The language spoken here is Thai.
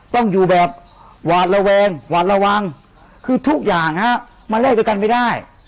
ต้องอยู่แบบหวาดระแวงหวาดระวังคือทุกอย่างฮะมาเล่นด้วยกันไม่ได้